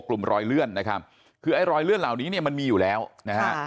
กลุ่มรอยเลื่อนนะครับคือไอ้รอยเลื่อนเหล่านี้เนี่ยมันมีอยู่แล้วนะฮะ